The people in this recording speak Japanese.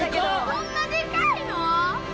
そんなでかいの！